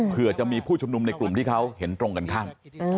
เผื่อจะมีผู้ชุมนุมในกลุ่มที่เขาเห็นตรงกันข้าม